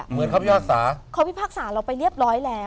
เหมือนคำพิพากษาเขาพิพากษาเราไปเรียบร้อยแล้ว